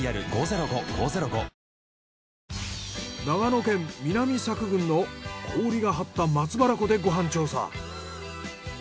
長野県南佐久郡の氷が張った松原湖でご飯調査。